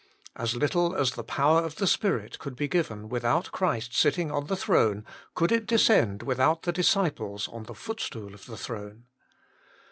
As little as the power of the Spirit could be given without Christ sitting on the throne, could it descend without the disciples on the footstool of the throne.